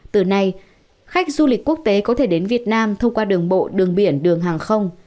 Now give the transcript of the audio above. từ nay khách du lịch quốc tế có thể đến việt nam thông qua đường bộ đường biển đường hàng không